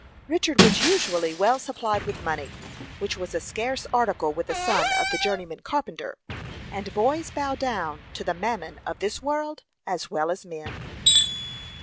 Richard was usually well supplied with money, which was a scarce article with the son of the journeyman carpenter, and boys bow down to the Mammon of this world, as well as men.